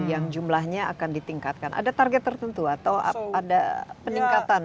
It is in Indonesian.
yang jumlahnya akan ditingkatkan ada target tertentu atau ada peningkatan